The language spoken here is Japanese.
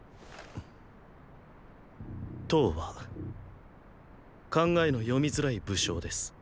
騰は考えの読みづらい武将です。